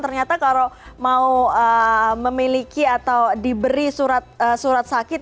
ternyata kalau mau memiliki atau diberi surat sakit